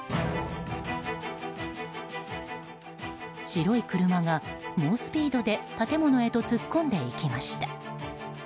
白い車が猛スピードで建物へと突っ込んでいきました。